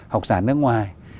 học giả nước ngoài